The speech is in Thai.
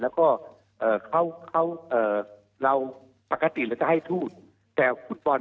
แล้วก็เอ่อเขาเขาเอ่อเราปกติแล้วจะให้ทูตแต่ฟุตบอล